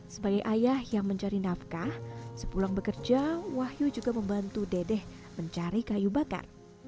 sebagai ayah yang mencari nafkah sepulang bekerja wahyu juga membantu dedeh mencari kayu bakar